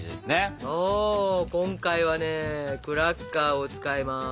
お今回はねクラッカーを使います。